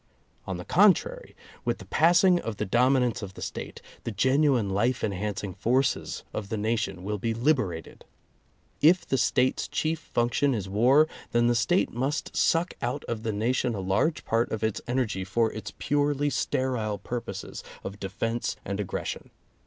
On the contrary, with the passing of the dominance of the State, the genuine life enhancing forces of the nation will be liberated. If the State's chief function is war, then the State must suck out of the nation a large part of its energy for its purely sterile purposes of defense and aggression.